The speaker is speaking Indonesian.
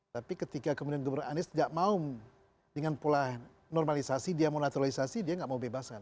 tapi ketika kemudian gubernur anies gak mau dengan pula normalisasi dia mau naturalisasi dia gak mau bebasan